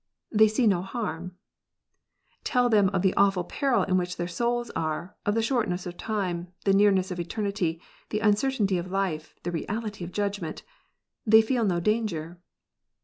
"They see no harm," Tell them of the awful peril in which their souls are, of the shortness of time, the nearness of eternity, the uncer tainty of life, the reality of judgment. They feel no danger.